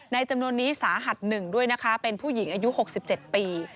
จำนวนนี้สาหัส๑ด้วยนะคะเป็นผู้หญิงอายุ๖๗ปี